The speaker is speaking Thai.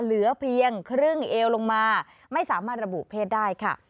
เหลือเพียงครึ่งเอวลงมาไม่สามารถระบุเพศได้ค่ะ